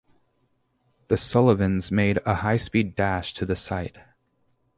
"The Sullivans" made a high-speed dash to the site.